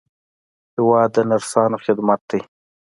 هېواد د نرسانو خدمت دی.